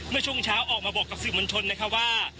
เมื่อช่วงเช้าออกมาบอกกับสื่อมวลชนนะคะว่า